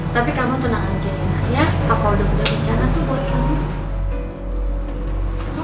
tapi kamu tenang aja inna ya papa udah berbincang aja boleh kamu